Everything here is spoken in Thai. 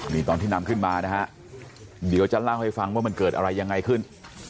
นี่ตอนที่นำขึ้นมานะฮะเดี๋ยวจะเล่าให้ฟังว่ามันเกิดอะไรยังไงขึ้น